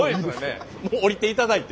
もう降りていただいて。